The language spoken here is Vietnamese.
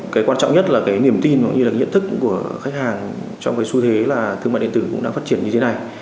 cái quan trọng nhất là cái niềm tin cũng như là nhận thức của khách hàng trong cái xu thế là thương mại điện tử cũng đang phát triển như thế này